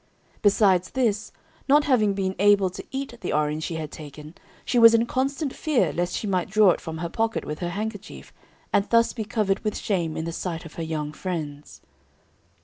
Besides this, not having been able to eat the orange she had taken, she was in constant fear lest she might draw it from her pocket with her handkerchief, and thus be covered with shame in the sight of her young friends.